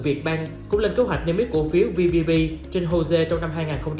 việt bank cũng lên kế hoạch niêm yết cổ phiếu vvp trên hosea trong năm hai nghìn hai mươi ba